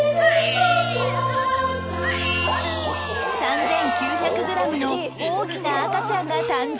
３９００グラムの大きな赤ちゃんが誕生